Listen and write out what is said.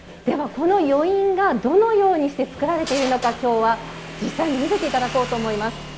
この余韻がどのようにして作られているのか今日は実際に見せて頂こうと思います。